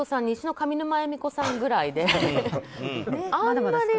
西の上沼恵美子さんぐらいで。